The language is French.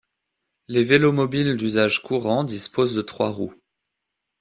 Les vélomobiles d'usage courant disposent de trois roues.